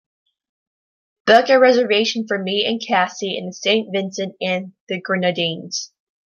Book a reservation for me and cassie in Saint Vincent and the Grenadines